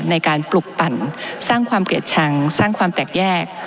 ในการปลุกปั่นสร้างความเกลียดชังสร้างความแตกแยก